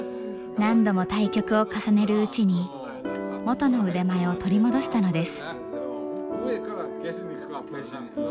何度も対局を重ねるうちに元の腕前を取り戻したのです。